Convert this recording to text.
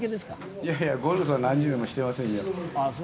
いえいえ、ゴルフは何十年もしてませんよ。